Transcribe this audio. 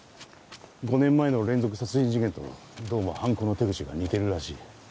５年前の連続殺人事件とどうも犯行の手口が似てるらしい。